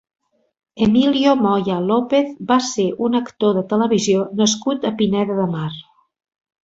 Emilio Moya López va ser un actor de televisió nascut a Pineda de Mar.